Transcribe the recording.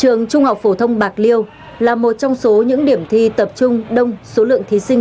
trường trung học phổ thông bạc liêu là một trong số những điểm thi tập trung đông số lượng thí sinh